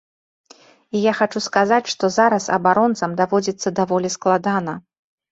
І я хачу сказаць, што зараз абаронцам даводзіцца даволі складана.